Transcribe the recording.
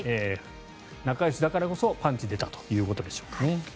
仲よしだからこそパンチが出たということでしょうかね。